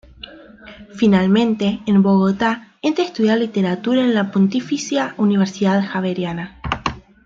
Finalmente, en Bogotá entra a estudiar Literatura en la Pontificia Universidad Javeriana.